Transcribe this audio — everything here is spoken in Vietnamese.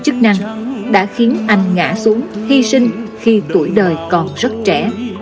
chức năng đã khiến anh ngã xuống hy sinh khi tuổi đời còn rất trẻ